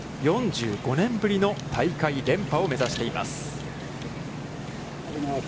４５年ぶりの大会連覇を目指しています。